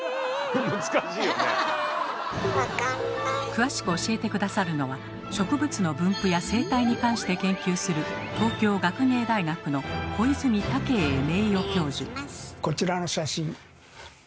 詳しく教えて下さるのは植物の分布や生態に関して研究するこちらの写真。